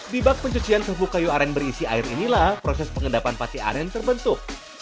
di bak pencucian suhu kayu aren berisi air inilah proses pengendapan pati aren terbentuk